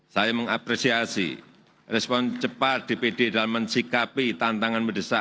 saya mengapresiasi respon cepat dpd dalam mensikapi tantangan mendesak